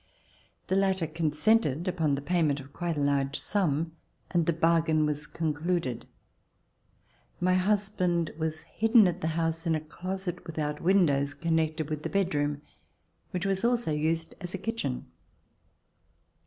The latter consented, upon the payment of quite a large sum, and the bargain was concluded. My hus band was hidden at the house in a closet without C 149] RECOLLECTIONS OF THE REVOLUTION windows, connected with the bedroom which was also used as a kitchen.